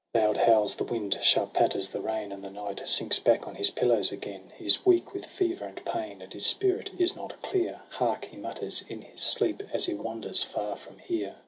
* Loud howls the wind, sharp patters the rain, And the knight sinks back on his pillows again. He is weak with fever and pain, And his spirit is not clear. Hark ! he mutters in his sleep, As he wanders far from here.